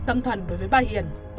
tâm thần đối với bà hiền